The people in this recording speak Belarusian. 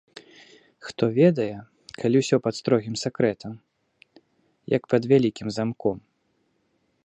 Хто ведае, калі ўсё пад строгім сакрэтам, як пад вялікім замком.